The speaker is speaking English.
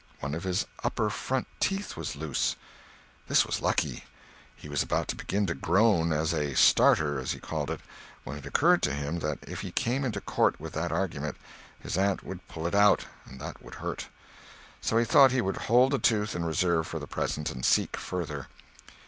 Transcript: One of his upper front teeth was loose. This was lucky; he was about to begin to groan, as a "starter," as he called it, when it occurred to him that if he came into court with that argument, his aunt would pull it out, and that would hurt. So he thought he would hold the tooth in reserve for the present, and seek further.